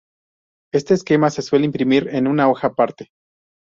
Este esquema se suele imprimir en una hoja aparte.